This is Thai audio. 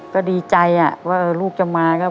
ก็ดีใจว่าลูกจะมาก็